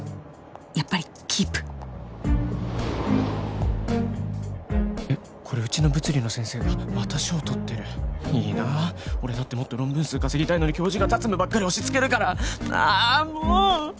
やっぱりキープえっこれうちの物理の先生だまた賞とってるいいな俺だってもっと論文数稼ぎたいのに教授が雑務ばっかり押しつけるからああもう！